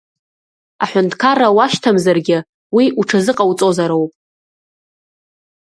Аҳәынҭқарра уашьҭамзаргьы, уи уҽазыҟауҵозароуп.